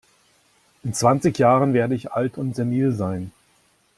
In zwanzig Jahren werde ich alt und senil sein.